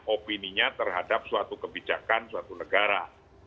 opininya terhadap suatu kebijakan suatu negara